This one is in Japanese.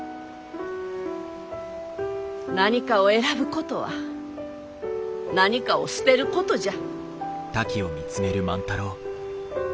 何かを選ぶことは何かを捨てることじゃ。